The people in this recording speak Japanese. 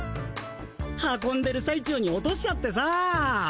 運んでるさい中に落としちゃってさ。